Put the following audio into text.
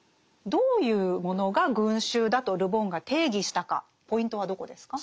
どういうものが「群衆」だとル・ボンが定義したかポイントはどこですか？